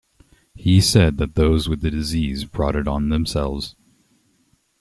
He said that those with the disease brought it on themselves.